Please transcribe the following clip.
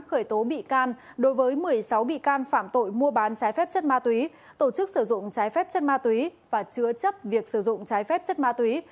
khởi tố bị can đối với một mươi sáu bị can phạm tội mua bán trái phép chất ma túy tổ chức sử dụng trái phép chất ma túy và chứa chấp việc sử dụng trái phép chất ma túy